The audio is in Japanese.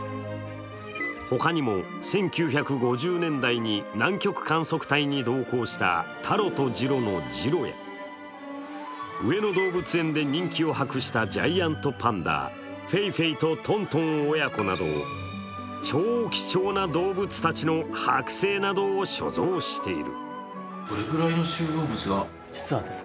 ほかにも１９５０年代に南極観測隊に同行したタロとジロの、ジロや上野動物園で人気を博したジャイアントパンダフェイフェイとトントン親子など、超貴重な動物たちの剥製などを所蔵している。